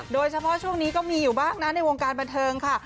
โดยเฉพาะช่วงนี้ก็มีอยู่บ้างนะในวงการบันเทิงค่ะ